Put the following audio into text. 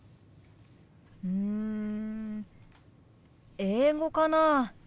うん英語かな。